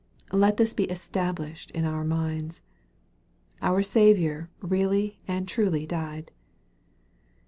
Let this be established in our minds. Our Sa viour really and truly died.